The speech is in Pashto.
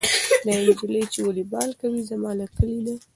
دا نجلۍ چې والیبال کوي زما له کلي ده.